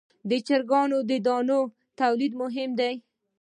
د چرګانو د دانې تولید مهم دی